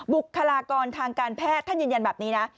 บุคลากรทางการแพทย์ท่านยืนยันแบบนี้นะ